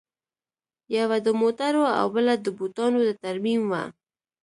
یوه د موټرو او بله د بوټانو د ترمیم وه